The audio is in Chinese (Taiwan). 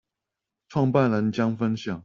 創辦人將分享